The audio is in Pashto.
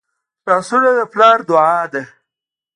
لاسونه د پلار دعا ده